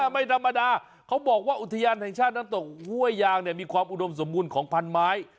ไม่ธรรมดาเขาบอกว่าอุทยานแห่งชาติน้ำตกห้วยยางมีความอุดมสมบูรณ์ของพันไม้